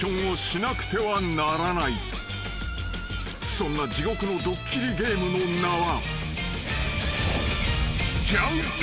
［そんな地獄のドッキリゲームの名は］